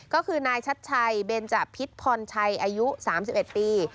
ก็คือนายชัดชัยเบนจพิษพรชัยอายุ๓๑ปี